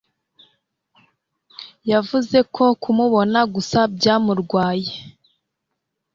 Yavuze ko kumubona gusa byamurwaye.